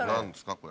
これ。